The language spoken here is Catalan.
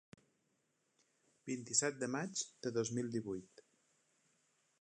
Vint-i-set de maig de dos mil divuit.